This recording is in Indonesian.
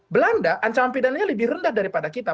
belanda ancaman pidananya lebih rendah daripada kita